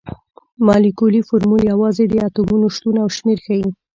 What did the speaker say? مالیکولي فورمول یوازې د اتومونو شتون او شمیر ښيي.